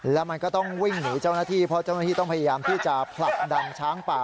แล้วมันก็ต้องวิ่งหนีเจ้าหน้าที่เพราะเจ้าหน้าที่ต้องพยายามที่จะผลักดันช้างป่า